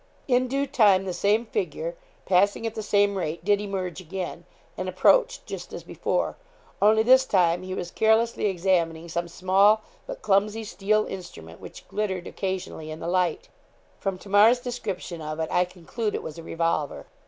In due time the same figure, passing at the same rate, did emerge again, and approached just as before, only this time he was carelessly examining some small but clumsy steel instrument which glittered occasionally in the light. From Tamar's description of it, I conclude it was a revolver.